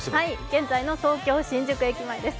現在の東京・新宿駅前です。